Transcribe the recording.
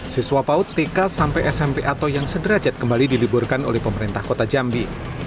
siswa paut tk sampai smp atau yang sederajat kembali diliburkan oleh pemerintah kota jambi